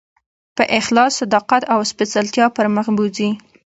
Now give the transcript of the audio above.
په اخلاص، صداقت او سپېڅلتیا پر مخ بوځي.